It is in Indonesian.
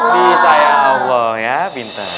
disayang allah ya pinter